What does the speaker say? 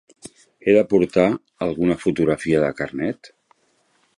He de portar alguna fotografia de carnet?